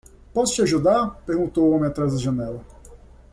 "Posso te ajudar?" perguntou o homem atrás da janela.